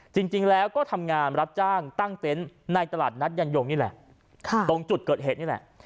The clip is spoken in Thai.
จริงแล้วก็ทำงานรับจ้างตั้งเต็นต์ในตลาดนัดยันยงนี่แหละตรงจุดเกิดเหตุนี่แหละ